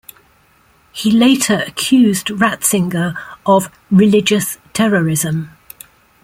He later accused Ratzinger of "religious terrorism".